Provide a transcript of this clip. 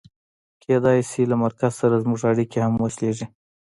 کېدای شي له مرکز سره زموږ اړیکې هم وشلېږي.